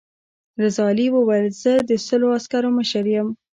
رضا علي وویل زه د سلو عسکرو مشر یم.